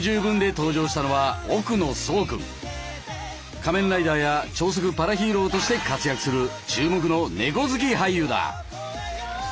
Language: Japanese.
仮面ライダーや超速パラヒーローとして活躍する注目のねこ好き俳優だ！